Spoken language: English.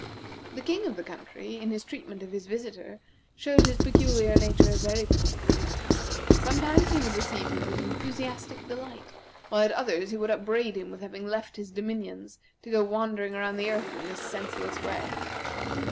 The king of the country, in his treatment of his visitor, showed his peculiar nature very plainly. Sometimes he would receive him with enthusiastic delight, while at others he would upbraid him with having left his dominions to go wandering around the earth in this senseless way.